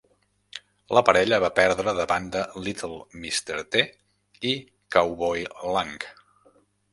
La parella va perdre davant de Little Mr. T i Cowboy Lang.